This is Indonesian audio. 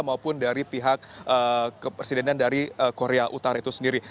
maupun dari pihak kepresidenan dari korea utara itu sendiri